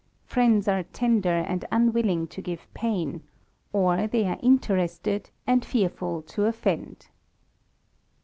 Friends are tender, and unwilling :o give pain, or they are interested, and fearful to offend.